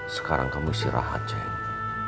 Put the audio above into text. sekarang kamu istirahat ceng